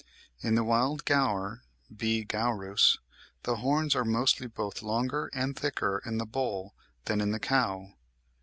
In the wild gaour (B. gaurus) the horns are mostly both longer and thicker in the bull than in the cow."